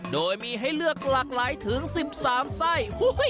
โดยมีให้เลือกหลากหลายถึง๑๓ไส้